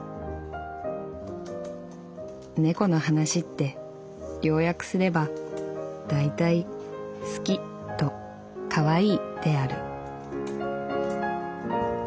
「猫の話って要約すればだいたい『好き』と『かわいい』である」。